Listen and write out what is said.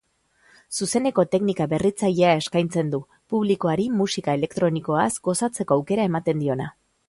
Zuzeneko teknika berritzailea eskaintzen du, publikoari musika elektronikoaz gozatzeko aukera ematen diona.